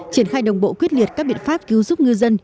triển khai đồng bộ quyết liệt các biện pháp cứu giúp ngư dân